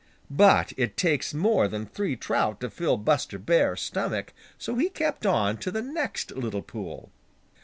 But it takes more than three trout to fill Buster Bear's stomach, so he kept on to the next little pool.